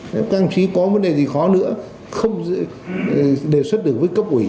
nếu các hành trí có vấn đề gì khó nữa không đề xuất được với cấp ủy